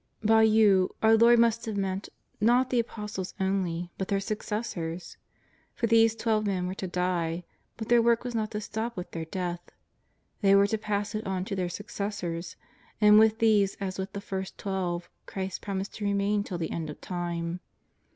By " you " our Lord must have meant, not the Apostles only but their succes sors. For these twelve men were to die, but their work was not to stop with their death. They were to pass it on to their successors, and with these as with the first Twelve Christ promised to remain till the end of time.